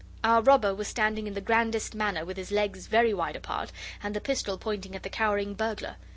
Our robber was standing in the grandest manner with his legs very wide apart, and the pistol pointing at the cowering burglar.